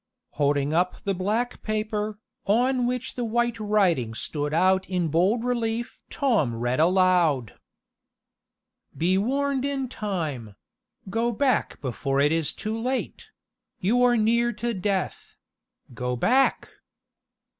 Holding up the black paper, on which the white writing stood out in bold relief Tom read aloud: "Be warned in time! Go back before it is too late! You are near to death! Go back!"